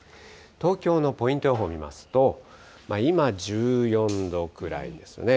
東京のポイント予報見ますと、今１４度ぐらいですね。